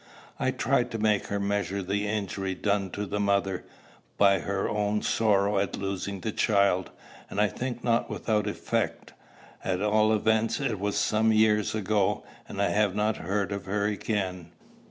I tried to make her measure the injury done to the mother, by her own sorrow at losing the child; and I think not without effect. At all events, it was some years ago, and I have not heard of her again."